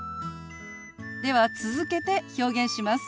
では続けて表現します。